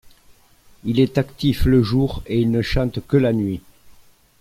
Il est actif le jour et il ne chante que la nuit.